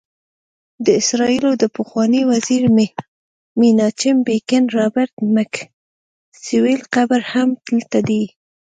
د اسرائیلو د پخواني وزیر میناچم بیګین، رابرټ میکسویل قبر هم دلته دی.